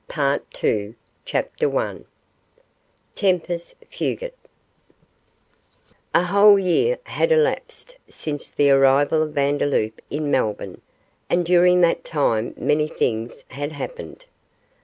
PART II CHAPTER I TEMPUS FUGIT A whole year had elapsed since the arrival of Vandeloup in Melbourne, and during that time many things had happened.